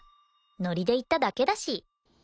ノリで言っただけだし。